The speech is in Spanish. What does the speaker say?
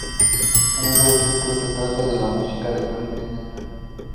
En otro artículo se trata la música electrónica en general.